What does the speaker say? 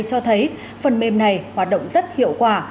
cho thấy phần mềm này hoạt động rất hiệu quả